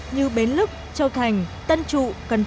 như bến lức châu thành tân trụ